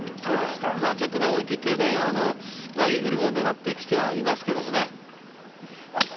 ちょっと思い切って、イーグルも狙ってきてはいますけどね。